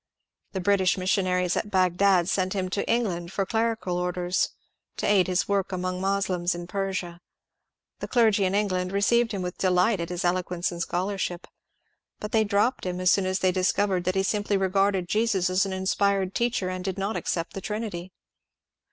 The British missionaries at Bagdad sent him to England for clerical orders, to aid his work among Moslems in Persia ; the clergy in England received him with delight at his elo quence and scholarship; but they dropped him as soon as they discovered that he simply regarded Jesus as an inspired teacher, and did not accept the Trinity.